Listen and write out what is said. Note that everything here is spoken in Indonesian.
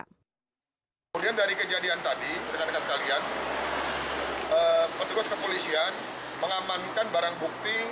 kemudian dari kejadian tadi petugas kepolisian mengamankan barang bukti